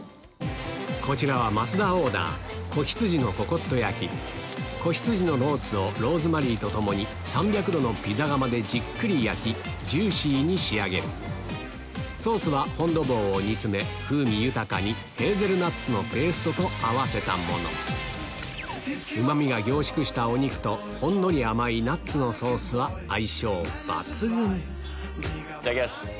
こちらは増田オーダー仔羊のロースをローズマリーと共に３００℃のピザ窯でじっくり焼きジューシーに仕上げるソースはフォン・ド・ボーを煮つめ風味豊かにヘーゼルナッツのペーストと合わせたものうま味が凝縮したお肉とほんのり甘いナッツのソースは相性抜群いただきます。